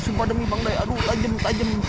sumpah demi bangdai aduh tajam tajam